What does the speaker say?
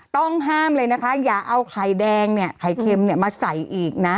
ต้องห้ามเลยนะคะอย่าเอาไข่แดงเนี่ยไข่เค็มเนี่ยมาใส่อีกนะ